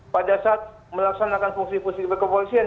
pada saat melaksanakan fungsi fungsi kepolisian